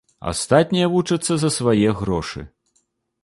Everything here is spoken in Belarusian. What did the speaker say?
Астатнія вучацца за свае грошы.